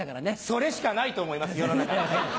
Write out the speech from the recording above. それしかないと思います世の中。